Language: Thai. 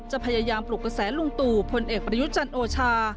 พยายามปลุกกระแสลุงตู่พลเอกประยุทธ์จันทร์โอชา